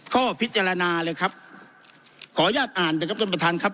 ข้อพิจารณาเลยครับขออนุญาตอ่านนะครับท่านประธานครับ